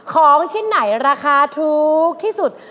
ของชิ้นไหนราคาถูกที่สุด